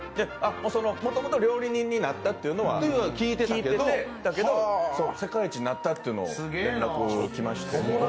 もともと料理人になったとは聞いてたけど世界一になったというのを連絡来まして。